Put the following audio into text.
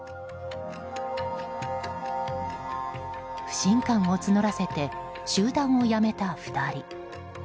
不信感を募らせて集団を辞めた２人。